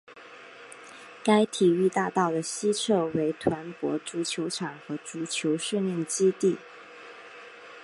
该体育大道的西侧为团泊足球场和足球训练基地。